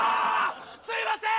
すいません